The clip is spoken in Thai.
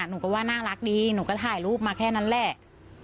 หนูก็ว่าน่ารักดีหนูก็ถ่ายรูปมาแค่นั้นแหละ